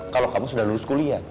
kalau kamu sudah lulus kuliah